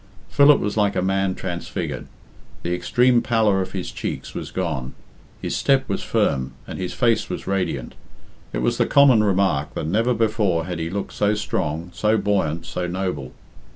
Philip was like a man transfigured. The extreme pallor of his cheeks was gone, his step was firm, and his face was radiant. It was the common remark that never before had he looked so strong, so buoyant, so noble.